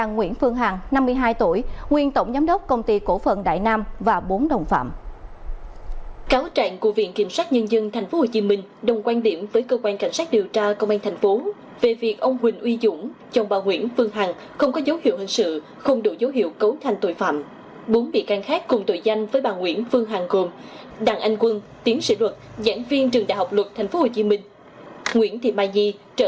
ngày một mươi tám tháng tám viện kiểm sát nhân dân thành phố hồ chí minh đã hoàn tất cáo trạng truy tố